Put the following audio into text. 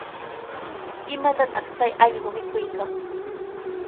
¿Imatataq chay allqu mikuykan?